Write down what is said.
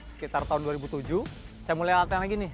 sekitar tahun dua ribu tujuh saya mulai alatnya lagi nih